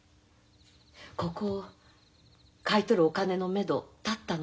ここを買い取るお金のめど立ったの。